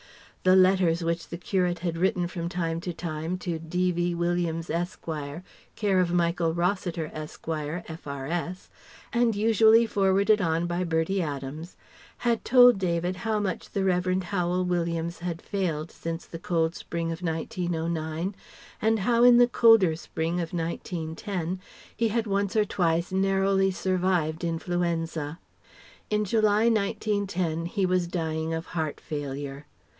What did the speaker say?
The letters which the curate had written from time to time to D.V. Williams, Esq., care of Michael Rossiter, Esq., F.R.S., and usually forwarded on by Bertie Adams, had told David how much the Revd. Howel Williams had failed since the cold spring of 1909, and how in the colder spring of 1910 he had once or twice narrowly survived influenza. In July, 1910, he was dying of heart failure.